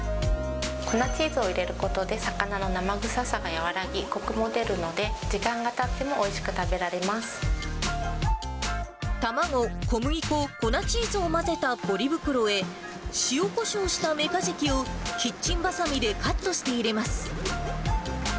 粉チーズを入れることで、魚の生臭さが和らぎ、こくも出るので、時間がたってもおいしく食卵、小麦粉、粉チーズを混ぜたポリ袋へ、塩こしょうしたメカジキをキッチンばさみでカットして入れます。